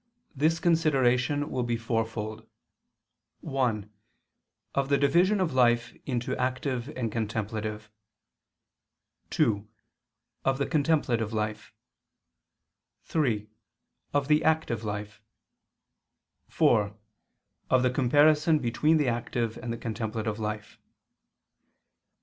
This consideration will be fourfold: (1) Of the division of life into active and contemplative; (2) Of the contemplative life; (3) Of the active life; (4) Of the comparison between the active and the contemplative life.